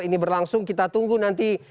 ini berlangsung kita tunggu nanti